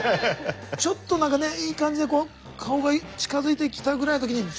ちょっと何かねいい感じでこう顔が近づいてきたぐらいの時に「Ｚ」！